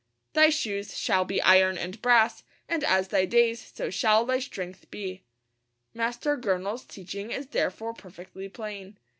'Thy shoes shall be iron and brass, and as thy days so shall thy strength be.' Master Gurnall's teaching is therefore perfectly plain.